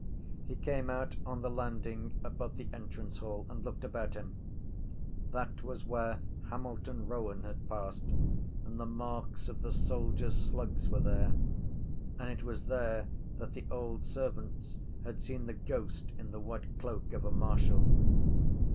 He came out on the landing above the entrance hall and looked about him. That was where Hamilton Rowan had passed and the marks of the soldiers’ slugs were there. And it was there that the old servants had seen the ghost in the white cloak of a marshal.